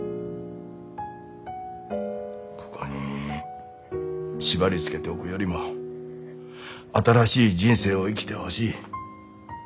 ここに縛りつけておくよりも新しい人生を生きてほしい。